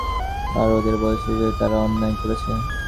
আর ওদের বলতে হবে যে, তারা অন্যায় করেছে।